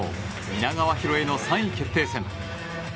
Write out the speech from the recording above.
皆川博恵の３位決定戦。